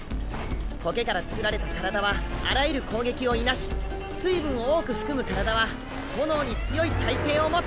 苔から作られた体はあらゆる攻撃をいなし水分を多く含む体は炎に強い耐性を持つ。